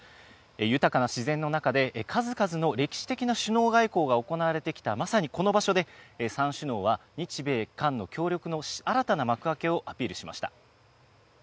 豊かな自然の中で、数々の歴史的な首脳外交が行われてきたまさにこの場所で、３首脳は日米韓の協力の新たな幕開けをアピールしました。